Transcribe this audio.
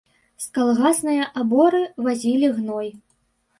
З калгаснае аборы вазілі гной.